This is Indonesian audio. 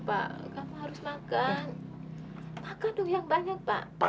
pak sebaiknya kita ke dokter aja ya